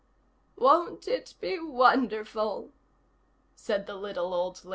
"Won't it be wonderful?" said the little old lady.